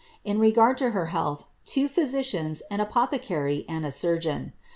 In regard allh, two physicians, an apothecary, and a surgeon.